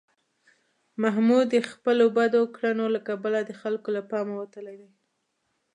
محمود د خپلو بدو کړنو له کبله د خلکو له پامه وتلی دی.